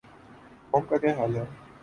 قوم کا کیا حال ہے۔